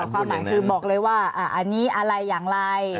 ความหมายคือบอกเลยว่าอันนี้อะไรอย่างไร